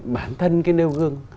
bản thân cái nêu gương